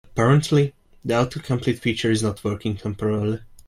Apparently, the autocomplete feature is not working temporarily.